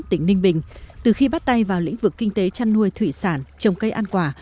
tỉnh ninh bình từ khi bắt tay vào lĩnh vực kinh tế chăn nuôi thủy sản trồng cây ăn quả